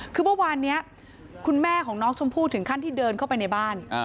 คือเมื่อวานนี้คุณแม่ของน้องชมพู่ถึงขั้นที่เดินเข้าไปในบ้าน